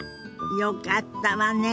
よかったわね。